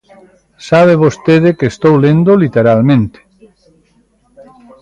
Sabe vostede que estou lendo literalmente.